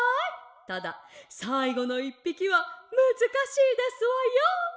たださいごの１ぴきはむずかしいですわよ」。